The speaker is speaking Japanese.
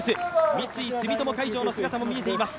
三井住友海上の姿も見れています。